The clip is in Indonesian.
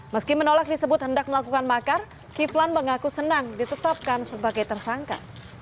meski menolak disebut hendak melakukan makar kiflan mengaku senang ditetapkan sebagai tersangka